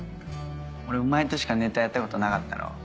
俺お前としかネタやったことなかったろ。